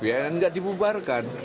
yang enggak dibubarkan